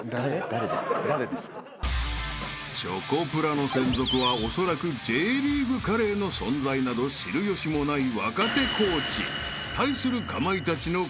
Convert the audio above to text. ［チョコプラの専属はおそらくＪリーグカレーの存在など知る由もない若手コーチ］